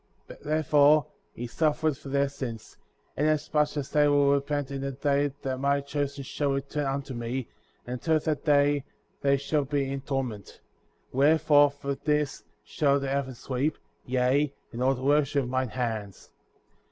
Wherefore, he suffereth for their sins;^ inasmuch as they will repent in the day that my Chosen* shall return unto me, and until that day they shall be in torment ; 40. Wherefore, for this shall the heavens weep,' yea, and all the workmanship of mine hands.